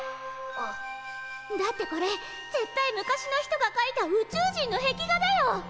だってこれ絶対昔の人がかいた宇宙人の壁画だよ！